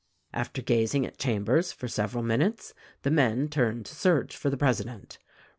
"After gazing at Chambers for several minutes the men turned to search for the president.